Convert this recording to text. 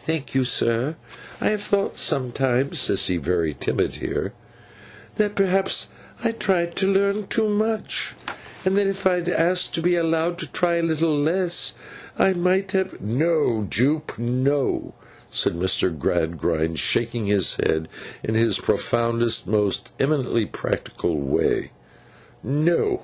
'Thank you, sir. I have thought sometimes;' Sissy very timid here; 'that perhaps I tried to learn too much, and that if I had asked to be allowed to try a little less, I might have—' 'No, Jupe, no,' said Mr. Gradgrind, shaking his head in his profoundest and most eminently practical way. 'No.